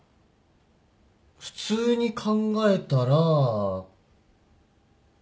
普通に考えたらけ。